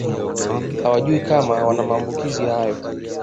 Hawajui kama wana maambukizi hayo